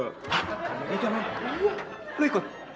hah amerika mana lu ikut